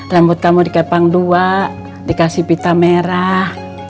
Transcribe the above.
rambut kamu dikepang dua dikasih pita merah